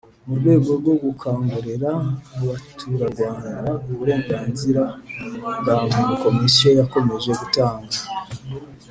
Mu rwego rwo gukangurira abaturarwanda uburenganzira bwa Muntu Komisiyo yakomeje gutanga